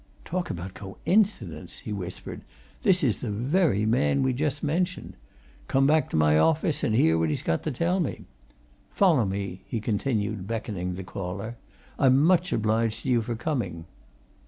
"Talk about coincidence!" he whispered. "This is the very man we'd just mentioned. Come back to my office and hear what he's got to tell. Follow me," he continued, beckoning the caller. "I'm much obliged to you for coming.